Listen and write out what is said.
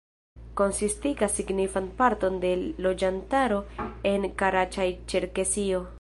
Konsistigas signifan parton de loĝantaro en Karaĉaj-Ĉerkesio.